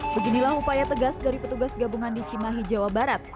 beginilah upaya tegas dari petugas gabungan di cimahi jawa barat